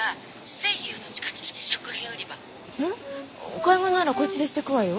お買い物ならこっちでしてくわよ。